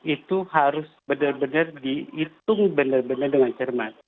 itu harus benar benar dihitung dengan cermat